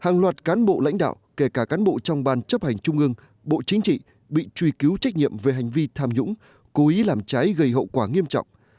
hàng loạt cán bộ lãnh đạo kể cả cán bộ trong ban chấp hành trung ương bộ chính trị bị truy cứu trách nhiệm về hành vi tham nhũng cố ý làm trái gây hậu quả nghiêm trọng